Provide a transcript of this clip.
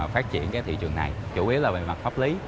phát triển cái thị trường này chủ yếu là về mặt pháp lý